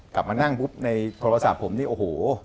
กลับมานั่งปุ๊บในโทรศัพท์ผมนี่โอ้โห